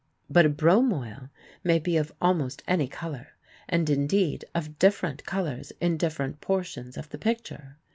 But a bromoil may be of almost any color, and, indeed, of different colors in different portions of the picture.